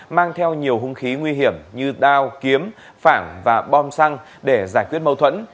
mang theo nhiều hung khí nguy hiểm như đao kiếm phảng và bom xăng để giải quyết mâu thuẫn